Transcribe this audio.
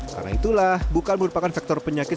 karena itulah bukan merupakan faktor penyakit